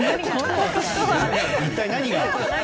一体、何が？